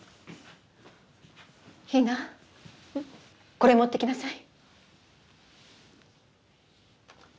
これ持っていきなさい